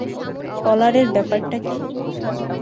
কলার এর ব্যাপার টা কি?